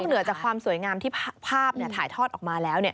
เหนือจากความสวยงามที่ภาพถ่ายทอดออกมาแล้ว